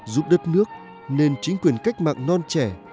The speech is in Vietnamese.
giúp đất nước nên chính quyền cách mạng non trẻ